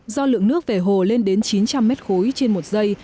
do lượng nước về hồ lên đến chín trăm linh m ba trên một giây